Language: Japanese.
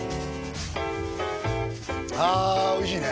あおいしいね